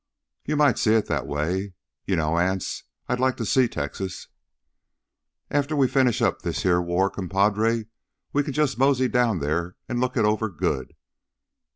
"You might see it that way. You know, Anse, I'd like to see Texas " "After we finish up this heah war, compadre, we can jus' mosey down theah an' look it over good.